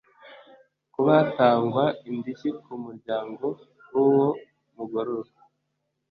Kuba hatangwa indishyi ku muryango w’uwo mugororwa